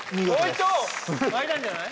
開いたんじゃない？